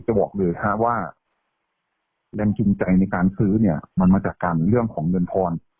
จะบอกเลยฮะว่าแรงจูงใจในการซื้อเนี่ยมันมาจากการเรื่องของเงินทอน